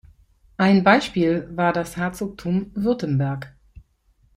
Ein Beispiel war das Herzogtum Württemberg.